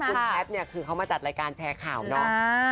พวัคเอิมลูกแม่แพทย์เนี่ยคือเค้ามาจัดรายการแชร์ข่าวเนาะ